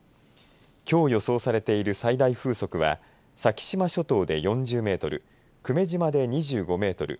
きょう予想されている最大風速は先島諸島で４０メートル久米島で２５メートル